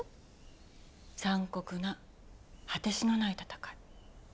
残酷な果てしのない戦い。